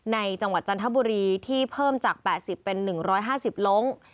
จังหวัดจันทบุรีที่เพิ่มจาก๘๐เป็น๑๕๐ล้ง